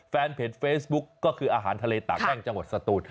แฟนเพจเฟซบุ๊กก็คืออาหารทะเลตากแห้งจังหวัดสตูน